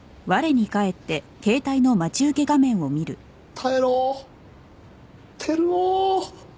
耐えろ照生。